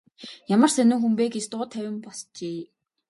Ямар сонин хүн бэ гэж дуу тавин босжээ.